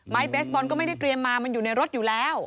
เบสบอลก็ไม่ได้เตรียมมามันอยู่ในรถอยู่แล้ว